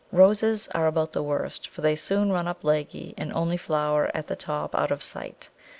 Roses are about the worst, for they soon run up leggy, and only flower at the top out of sight.